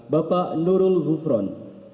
bapak nurul hufron